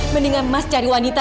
mendingan mas cari wanita